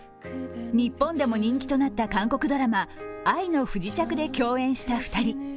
日本でも人気となった韓国ドラマ「愛の不時着」で共演した２人。